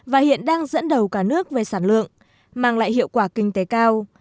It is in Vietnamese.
và hiện đang dẫn đầu cả nước về sản lượng mang lại hiệu quả kinh tế cao